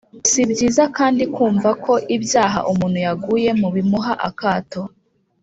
si byiza kandi kumva ko ibyaha umuntu yaguyemo bimuha akato.